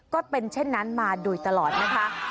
ก็เป็นเช่นนั้นมาโดยตลอดนะคะ